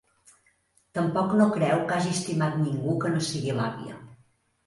Tampoc no creu que hagi estimat ningú que no sigui l'àvia.